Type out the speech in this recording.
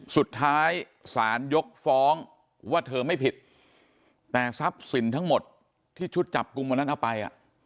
สุดท้ายศาลยกฟ้องว่าเธอไม่ผิดแต่ทรัพย์สินทั้งหมดที่ชุดจับกลุ่มวันนั้นเอาไป